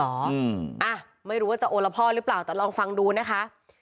อ่ะไม่รู้ว่าจะโอละพ่อหรือเปล่าแต่ลองฟังดูนะคะ